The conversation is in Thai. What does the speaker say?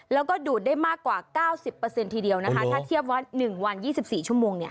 แล้วก็ดูดได้มากกว่า๙๐ทีเดียวนะคะถ้าเทียบว่า๑วัน๒๔ชั่วโมงเนี่ย